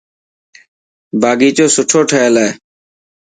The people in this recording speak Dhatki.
باغيچو سٺو ٺهيل هي.